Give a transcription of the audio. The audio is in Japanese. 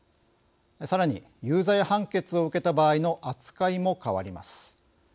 さらに有罪判決を受けた場合の扱いも変わります。